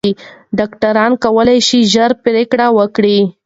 ډاکټران کولی شي ژر پریکړه وکړي.